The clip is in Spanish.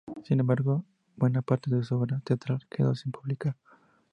Sin embargo buena parte de su obra teatral quedó sin publicar.